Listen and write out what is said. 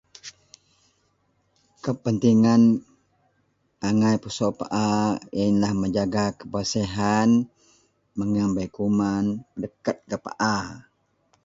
Kepentingan angai pusok paa yenlah menjaga kebersihan mengeang bei kuman pedeket gak paa